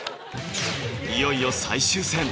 いよいよ最終戦！